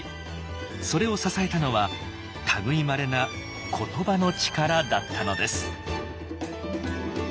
それを支えたのは類いまれな言葉の力だったのです。